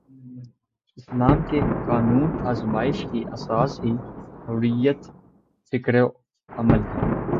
اسلام کے قانون آزمائش کی اساس ہی حریت فکر و عمل ہے۔